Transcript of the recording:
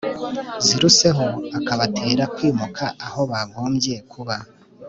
ziruseho akabatera kwimuka aho bagombye kuba